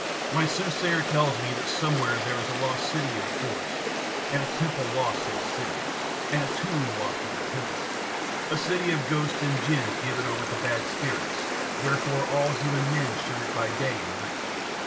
My soothsayer tells me that somewhere there is a city lost in a forest, and a temple lost in the city, and a tomb lost in the temple; a city of ghosts and djins given over to bad spirits, wherefore all human men shun it by day and night.